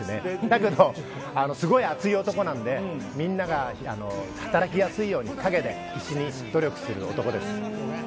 だけど、すごい熱い男なのでみんなが働きやすいように陰で必死に努力する男です。